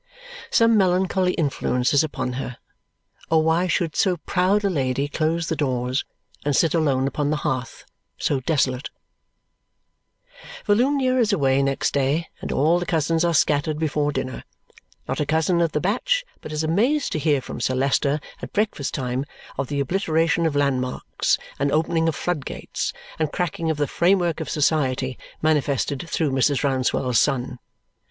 Some melancholy influence is upon her, or why should so proud a lady close the doors and sit alone upon the hearth so desolate? Volumnia is away next day, and all the cousins are scattered before dinner. Not a cousin of the batch but is amazed to hear from Sir Leicester at breakfast time of the obliteration of landmarks, and opening of floodgates, and cracking of the framework of society, manifested through Mrs. Rouncewell's son.